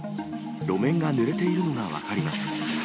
路面がぬれているのが分かります。